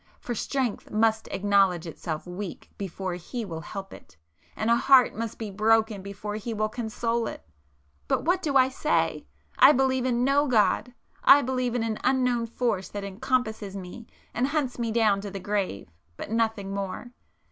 For strength must acknowledge itself weak before He will help it,—and a heart must be broken before He will console it! But what do I say!—I believe in no God—! I believe in an unknown Force that encompasses me and hunts me down to the grave, but nothing more.